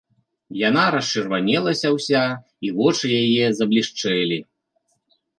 Яна расчырванелася ўся, і вочы яе заблішчэлі.